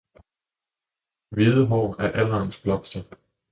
Hvide hår er alderens blomster!